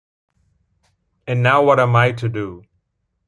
And now what am I to do?